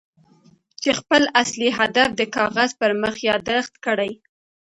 چې خپل اصلي هدف د کاغذ پر مخ ياداښت کړئ.